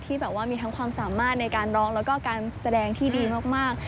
แบบว่ามีทั้งความสามารถในการร้องแล้วก็การแสดงที่ดีมาก